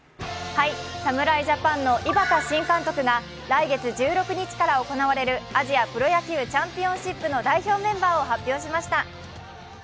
侍ジャパンの井端新監督が来月１６日から行われるアジアプロ野球チャンピオンシップの代表メンバーを発表しました。